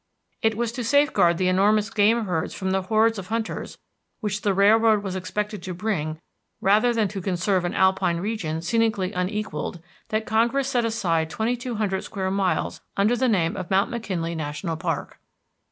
It was to safeguard the enormous game herds from the hordes of hunters which the railroad was expected to bring rather than to conserve an alpine region scenically unequalled that Congress set aside twenty two hundred square miles under the name of the Mount McKinley National Park.